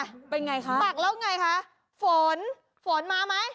เป็นอย่างไรคะปากแล้วอย่างไรคะฝนฝนมาไหม